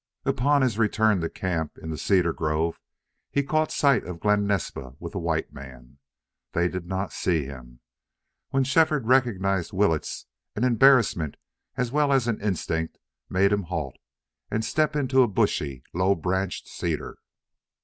Upon his return toward camp, in the cedar grove, he caught sight of Glen Naspa with a white man. They did not see him. When Shefford recognized Willetts an embarrassment as well as an instinct made him halt and step into a bushy, low branched cedar.